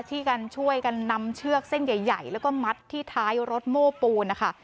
ที่กันช่วยกันนำเชือกเส้นใหญ่แล้วก็มัดที่ท้ายรถโม้ปูนนะคะ